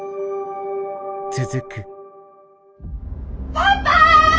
パパ！